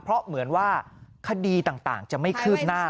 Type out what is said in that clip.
เพราะเหมือนว่าคดีต่างจะไม่คืบหน้า